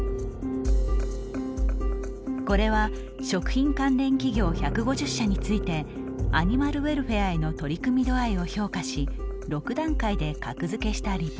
これは食品関連企業１５０社についてアニマルウェルフェアへの取り組み度合いを評価し６段階で格付けしたリポート。